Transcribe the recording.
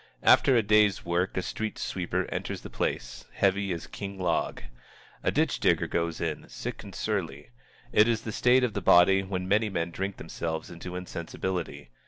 After a day's work a street sweeper enters the place, heavy as King Log. A ditch digger goes in, sick and surly. It is the state of the body when many men drink themselves into insensibility.